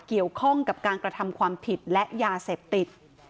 เกี่ยวข้องกับการกระทำความผิดและยาเสพติด